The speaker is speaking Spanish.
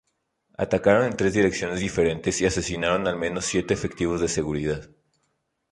Atacaron en tres direcciones diferentes y asesinaron a al menos siete efectivos de seguridad.